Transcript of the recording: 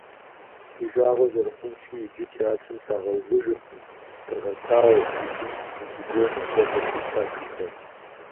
Ди жагъуэ зэрыхъунщи, иджы театрым щагъэувыжыркъым, «Тыргъэтауэ», «Эдип», «Антигонэ» хуэдэ спектаклхэр.